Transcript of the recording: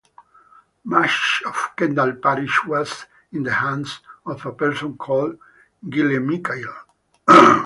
Much of Kendal parish was in the hands of a person called Gillemichael.